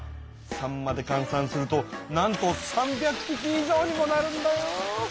さんまでかん算するとなんと３００ぴき以上にもなるんだよ！